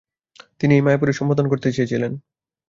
তিনি এই মায়াপুরেই সম্পাদন করতে চেয়েছিলেন।